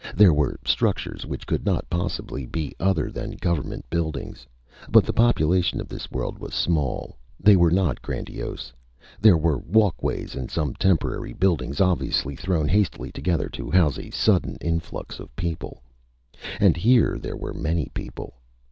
There were structures which could not possibly be other than government buildings. But the population of this world was small. They were not grandiose. There were walkways and some temporary buildings obviously thrown hastily together to house a sudden influx of people. And here there were many people.